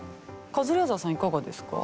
カズレーザーさんいかがですか？